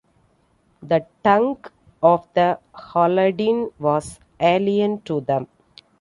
The tongue of the Haladin was alien to them.